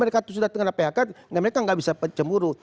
mereka sudah kena phk mereka gak bisa kecemburu